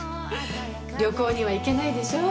旅行には行けないでしょ。